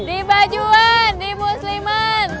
di bajuan di musliman